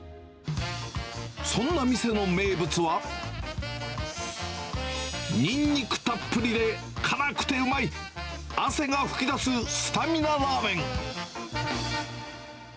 そんな店の名物は、にんにくたっぷりで辛くてうまい、汗が噴き出すスタミナラーメン。